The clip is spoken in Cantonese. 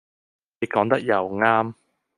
你講得又啱